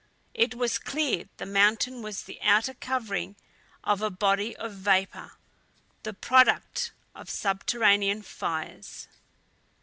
It was clear the mountain was the outer covering of a body of vapor, the product of subterranean fires.